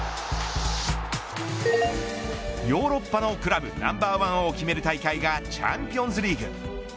ヨーロッパのクラブナンバーワンを決める大会がチャンピオンズリーグ。